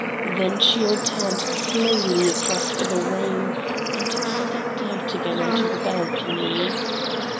Then she returned slowly across the room, and stepped out again on to the balcony.